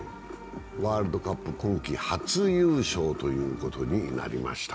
ワールドカップ今季初優勝ということになりました。